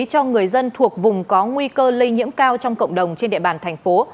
cho người dân thuộc vùng có nguy cơ lây nhiễm cao trong cộng đồng trên địa bàn thành phố